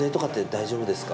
大丈夫ですか？